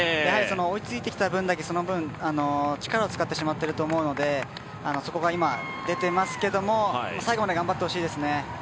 追いついてきた分だけ、その分力を使ってしまっているのでそこが今、出てますけども最後まで頑張ってほしいですね。